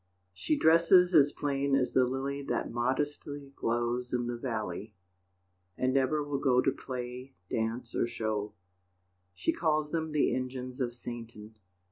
She dresses as plain as the lily That modestly glows in the valley, And never will go To play, dance or show She calls them the engines of Satan.